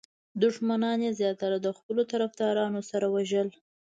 دښمنان یې زیاتره د خپلو طرفدارانو سره وژل.